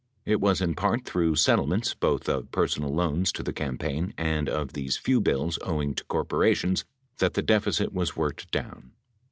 It was in part through settlements, both of personal loans to the campaign and of these few bills owing to corporations, that the deficit was worked down.